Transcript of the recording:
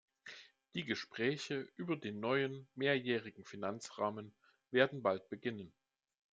Die Gespräche über den neuen mehrjährigen Finanzrahmen werden bald beginnen.